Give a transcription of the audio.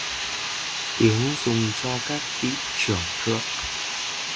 Tiếng dùng cho các vị trưởng thượng